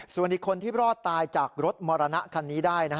ส่วนอีกคนที่รอดตายจากรถมรณะคันนี้ได้